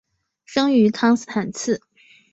生于康斯坦茨。